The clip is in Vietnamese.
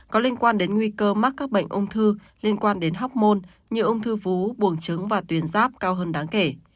có liên quan đến nguy cơ mắc các bệnh ung thư liên quan đến học môn như ung thư vú buồn trứng và tuyến giáp cao hơn đáng kể